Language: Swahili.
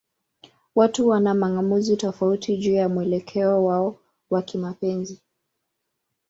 Watu wana mang'amuzi tofauti juu ya mwelekeo wao wa kimapenzi.